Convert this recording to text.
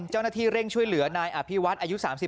เจ้าหน้าที่เร่งช่วยเหลือนายอภิวัฒน์อายุ๓๓